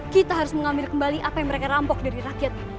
kita harus mengambil kembali apa yang mereka rampok dari rakyat